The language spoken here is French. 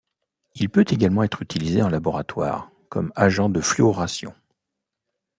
Il peut également être utilisé en laboratoire comme agent de fluoration.